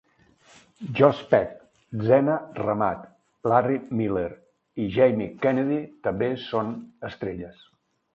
Josh Peck, Zena Ramat, Larry Miller i Jamie Kennedy també són estrelles.